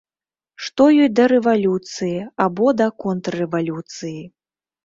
Што ёй да рэвалюцыі або да контррэвалюцыі?